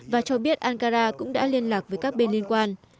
và cho biết ankara cũng đã liên lạc với các bên liên quan